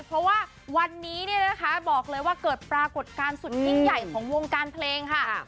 เพราะว่าวันนี้เกิดปรากฏการสุดยิ่งใหญ่ของวงการเพลงค่ะ